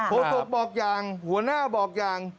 โศกบอกอย่างหัวหน้าบอกอย่าง